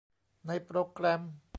ในโปรแกรม